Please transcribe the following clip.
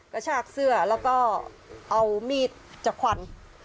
กระชากเสื้อแล้วก็เอามีดจากควัน